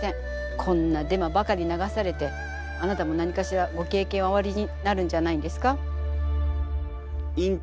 こんなデマばかり流されてあなたも何かしらご経験はおありになるんじゃないんですか？